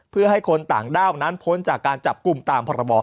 เพื่อให้คนต่างด้าวนั้นพ้นจากการจับกลุ่มตามพรบ